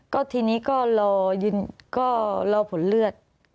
ก็ทีนี้ก็รอผลเลือด